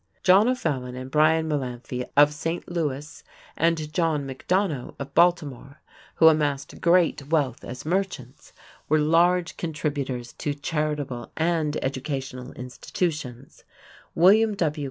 John O'Fallon and Bryan Mullanphy of St. Louis, and John McDonough of Baltimore, who amassed great wealth as merchants, were large contributors to charitable and educational institutions; William W.